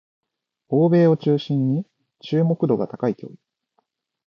欧米を中心に注目度が高い競技